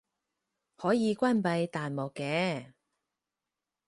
可以關閉彈幕嘅